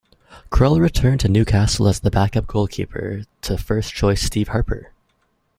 Krul returned to Newcastle as the backup goalkeeper to first choice Steve Harper.